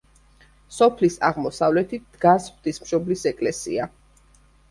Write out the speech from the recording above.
სოფლის აღმოსავლეთით დგას ღვთისმშობლის ეკლესია.